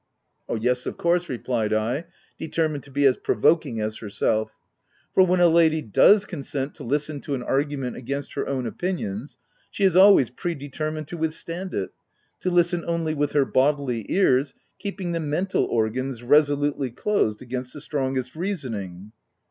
"Yes, of course," replied I, determined to be as provoking as herself; " for, when a lady does consent to listen to an argument against her own opinions, she is always predetermined 60 THE TENANT to withstand it — to listen only with her bodily ears, keeping the mental organs resolutely closed against the strongest reasoning."